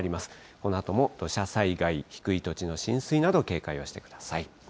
このあとも土砂災害、低い土地の浸水など、警戒をしてください。